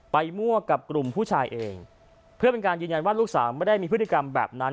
มั่วกับกลุ่มผู้ชายเองเพื่อเป็นการยืนยันว่าลูกสาวไม่ได้มีพฤติกรรมแบบนั้น